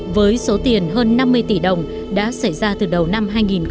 với số tiền hơn năm mươi tỷ đồng đã xảy ra từ đầu năm hai nghìn một mươi bảy